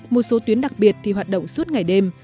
một số tuyến đặc biệt thì hoạt động suốt ngày đêm